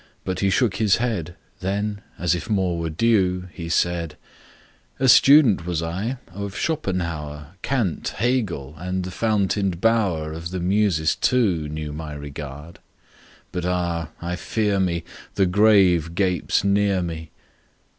But he shook his head; Then, as if more were due, he said:— "A student was I—of Schopenhauer, Kant, Hegel,—and the fountained bower Of the Muses, too, knew my regard: But ah—I fear me The grave gapes near me!